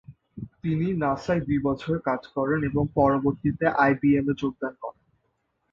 তিনি নাসায় দুই বছর কাজ করেন এবং পরবর্তীতে আইবিএম এ যোগদান করেন।